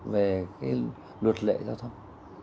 về cái luật lệ giao thông